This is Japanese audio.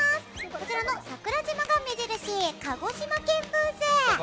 こちらの桜島が目印鹿児島県ブース。